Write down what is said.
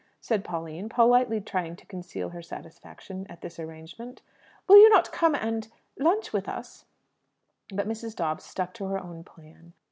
said Pauline, politely trying to conceal her satisfaction at this arrangement. "Will you not come and and lunch with us?" But Mrs. Dobbs stuck to her own plan.